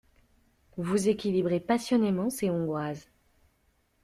Vous équilibrez passionnément ces hongroises.